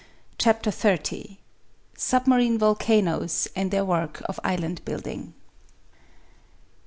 CHAPTER XXX. Submarine Volcanoes and their Work of Island Building.